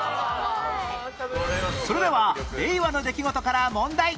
それでは令和の出来事から問題